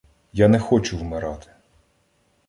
— Я не хочу вмирати.